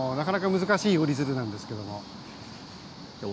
なかなか難しい折り鶴なんですけれども。